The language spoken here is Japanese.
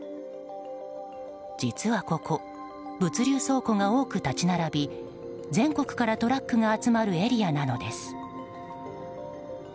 実はここ物流倉庫が多く立ち並び全国からトラックが集まるエリアなのです。